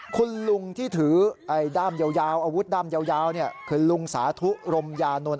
คุณลุงที่ถือด้ามยาวอาวุธด้ามยาวคือลุงสาธุรมยานนท